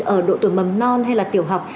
ở độ tuổi mầm non hay là tiểu học